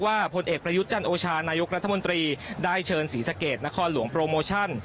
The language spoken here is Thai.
ผลเอกประยุทธ์จันโอชานายกรัฐมนตรีได้เชิญศรีสะเกดนครหลวงโปรโมชั่น